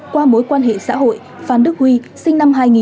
qua mối quan hệ xã hội phan đức huy sinh năm hai nghìn